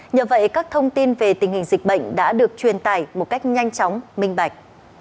nhờ vậy các thông tin về tình hình dịch bệnh đã được truyền tải một cách nhanh chóng minh bạch